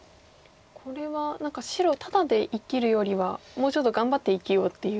これは何か白タダで生きるよりはもうちょっと頑張って生きようっていう。